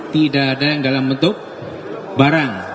tidak ada yang dalam bentuk barang